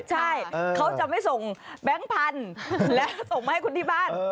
ใช่เขาจะไม่ส่งแบงค์พันธุ์แล้วส่งมาให้คุณที่บ้าน